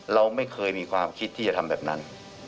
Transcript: เราไม่เคยมีความคิดที่จะทำแบบนั้น